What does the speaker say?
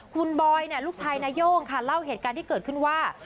คุณบอยลูกชายนาย่งค่ะเล่าเหตุการณ์ที่เกิดขึ้นว่า